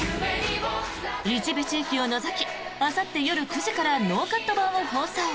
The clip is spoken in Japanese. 一部地域を除きあさって夜９時からノーカット版を放送。